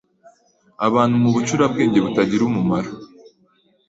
abantu mu bucurabwenge butagira umumaro